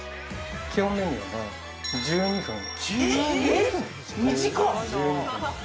基本メニューが１２分えっ？